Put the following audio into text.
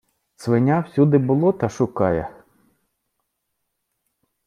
Свиня всюди болота шукає.